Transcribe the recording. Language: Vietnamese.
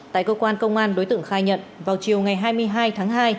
tại cơ quan công an đối tượng khai nhận vào chiều ngày hai mươi hai tháng hai